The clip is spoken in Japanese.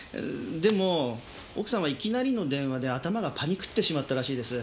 でも奥さんはいきなりの電話で頭がパニクってしまったらしいです。